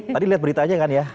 tadi lihat beritanya kan ya